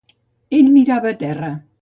Ell mirava a terra.